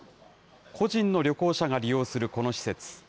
個人の旅行者が利用するこの施設。